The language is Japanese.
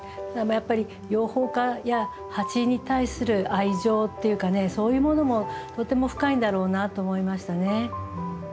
やっぱり養蜂家や蜂に対する愛情っていうかそういうものもとても深いんだろうなと思いましたね。